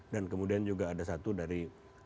dan kemudian juga ada satu dari